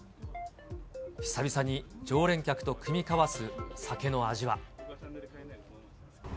久々に常連客とくみ交わす酒の味は。